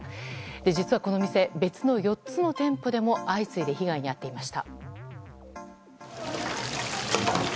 実はこの店、別の４つの店舗でも相次いで被害に遭っていました。